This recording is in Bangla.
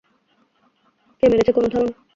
কে মেরেছে, কোনো ধারণা?